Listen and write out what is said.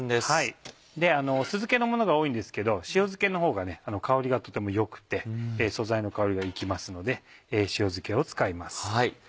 酢漬けのものが多いんですけど塩漬けのほうが香りがとても良くて素材の香りが生きますので塩漬けを使います。